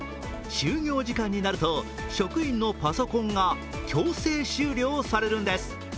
終業時間になると職員のパソコンが強制終了されるんです。